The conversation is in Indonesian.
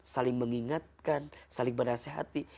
saling mengingatkan saling berasih hati